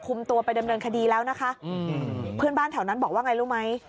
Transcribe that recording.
ตัวไปดำเนินคดีแล้วนะคะอืมเพื่อนบ้านแถวนั้นบอกว่าไงรู้ไหม